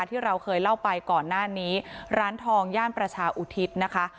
ที่เราเคยเล่าไปก่อนหน้านี้ร้านทองย่านประชาอุทิศนะคะ